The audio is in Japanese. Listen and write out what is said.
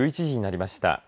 １１時になりました。